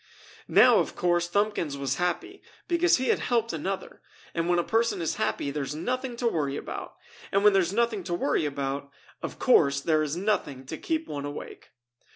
Now of course Thumbkins was happy because he had helped another, and when a person is happy there is nothing to worry about, and when there is nothing to worry about, of course there is nothing to keep one awake.